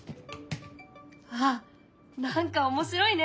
あっ何か面白いね。